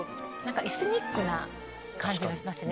エスニックな感じがしますね。